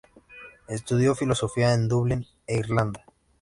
Estudio Filosofía en Dublín e Irlanda.